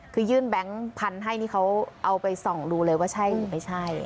คือยื่นแบงค์พันธุ์ให้นี่เขาเอาไปส่องดูเลยว่าใช่หรือไม่ใช่